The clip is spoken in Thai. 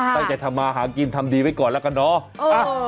ตั้งใจทำมาหากินทำดีไว้ก่อนแล้วกันเนาะ